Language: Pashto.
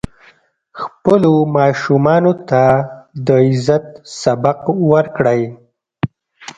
خپلو ماشومانو ته د عزت سبق ورکړئ.